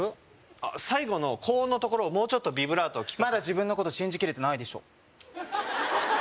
最後の高音のところをもうちょっとビブラートまだ自分のこと信じきれてないでしょ？